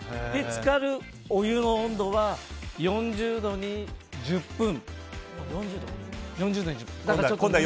つかるお湯の温度は４０度に１０分。